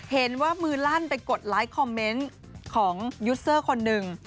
เห็นว่ามือลั่นไปกดไลค์คอมเมนต์ของยูสเซอร์คนหนึ่ง